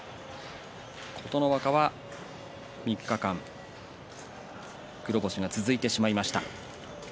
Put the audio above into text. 琴ノ若は３日間黒星が続いてしまいました。